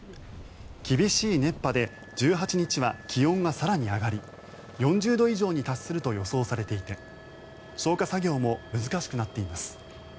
厳しい熱波で１８日は気温が更に上がり４０度以上に達すると予想されていて消火作業も難しくなっています。